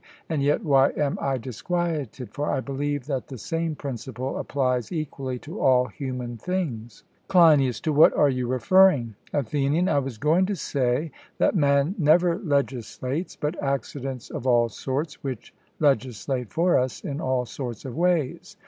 And yet, why am I disquieted, for I believe that the same principle applies equally to all human things? CLEINIAS: To what are you referring? ATHENIAN: I was going to say that man never legislates, but accidents of all sorts, which legislate for us in all sorts of ways.